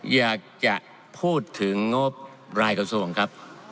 อยากจะพูดถึงงบรายกระทรวงครับ